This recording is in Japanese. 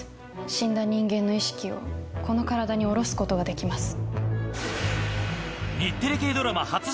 死んだ人間の意識をこの体に降ろすことができます。